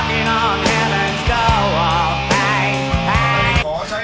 ไม่รักอายใจก็ไม่เป็นไร